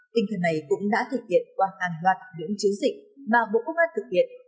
tinh thần này cũng đã thực hiện qua hàng loạt những chứng dịch mà bộ công an thực hiện